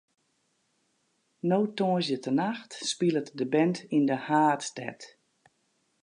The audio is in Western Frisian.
No tongersdeitenacht spilet de band yn de haadstêd.